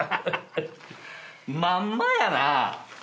まんまやな。